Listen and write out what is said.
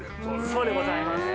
そうでございます。